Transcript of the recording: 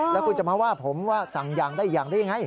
แล้วคุณจะมาว่าผมสั่งยางได้อย่างได้อย่างไร